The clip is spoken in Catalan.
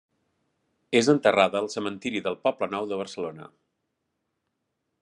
És enterrada al Cementiri del Poblenou de Barcelona.